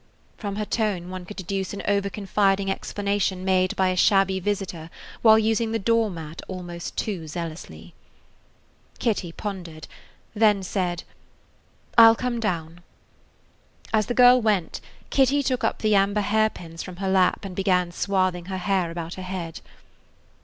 From her tone one could deduce an over confiding explanation made by a shabby visitor while using the door mat almost too zealously. Kitty pondered, then said: "I 'll come down." As the girl went, Kitty took up the amber hair pins from her lap and began swathing her hair about her head.